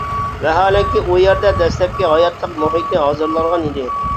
ۋاھالەنكى ئۇ يەردە دەسلەپكى ھاياتلىق مۇھىتى ھازىرلانغان ئىدى.